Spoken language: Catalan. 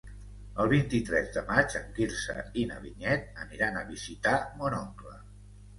El vint-i-tres de maig en Quirze i na Vinyet aniran a visitar mon oncle.